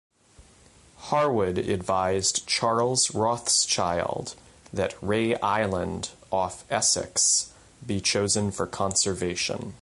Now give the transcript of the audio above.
Harwood advised Charles Rothschild that Ray Island off Essex be chosen for conservation.